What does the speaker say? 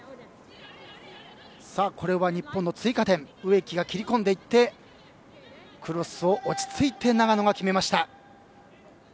この映像は日本の追加点植木が切り込んでクロスを落ち着いて長野が決めました。